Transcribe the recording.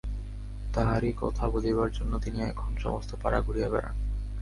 তাহারই কথা বলিবার জন্য তিনি এখন সমস্ত পাড়া ঘুরিয়া বেড়ান।